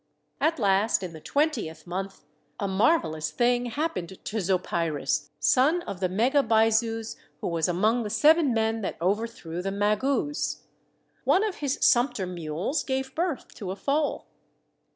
At last, in the twentieth month, a marvellous thing happened to Zopyrus, son of the Megabyzus who was among the seven men that overthrew the Magus. One of his sumpter mules gave birth to a foal.